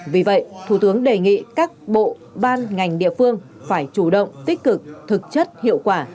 vì vậy thủ tướng đề nghị các bộ ban ngành địa phương phải chủ động tích cực thực chất hiệu quả